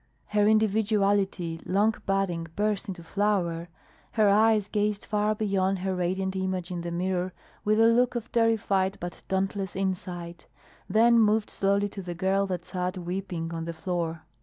Her individuality, long budding, burst into flower; her eyes gazed far beyond her radiant image in the mirror with a look of terrified but dauntless insight; then moved slowly to the girl that sat weeping on the floor.